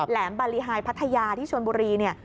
แหลมบาริฮายพัทยาที่ชวนบุรีนี่